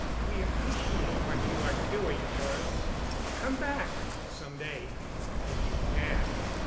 We appreciate what you are doing for us. Come back, some day, if you can."